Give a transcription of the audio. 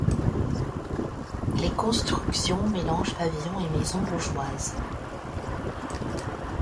Les constructions mélangent pavillons et maisons bourgeoises.